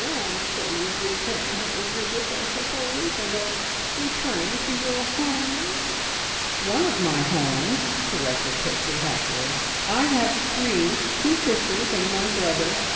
... And so you've been paying her a visit, I suppose, and are returning to your home?" "One of my homes," corrected Pixie happily. "I have three. Two sisters and one brother.